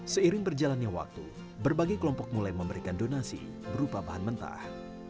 seiring berjalannya waktu berbagai kelompok mulai memberikan donasi berupa bahan mentah